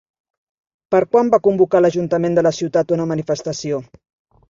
Per quan va convocar l'ajuntament de la ciutat una manifestació?